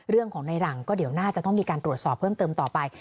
เรื่องของในหลังก็เดี๋ยวน่าจะต้องมีการตรวจสอบเพิ่มเติมต่อไป